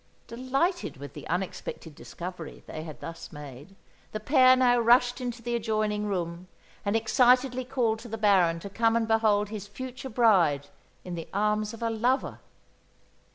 Delighted with the unexpected discovery they had thus made, the pair now rushed into the adjoining room and excitedly called to the Baron to come and behold his future bride in the arms of a lover.